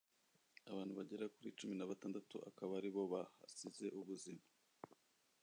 abantu bagera kuri cumi na batandatu akaba aribo bahasize ubuzima